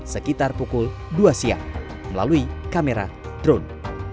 sekitar pukul dua siang melalui kamera drone